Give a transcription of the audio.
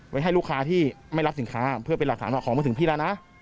ให้ลูกค้าที่ไม่รับสินค้าเพื่อเป็นหลักฐานว่าของมาถึงพี่แล้วนะ